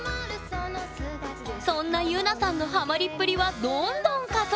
そんなゆなさんのハマりっぷりはどんどん加速！